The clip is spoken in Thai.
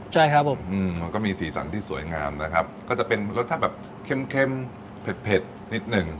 ใช่ครับผมอืมมันก็มีสีสันที่สวยงามนะครับก็จะเป็นรสชาติแบบเข้มเข้มเผ็ดนิดหนึ่ง